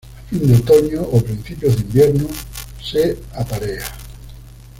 A fines de otoño o principios de invierno se aparea.